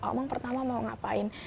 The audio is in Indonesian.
omang pertama mau ngapain